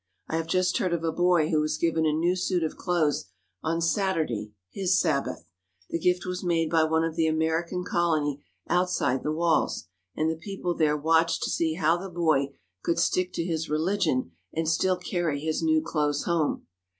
I have just heard of a boy who was given a new suit of clothes on Saturday, his Sabbath. The gift was made by one of the American colony outside the walls, and the people there watched to see how the boy could stick to his religion and still carry his new clothes home.